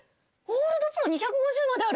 オールドプロ２５０まである！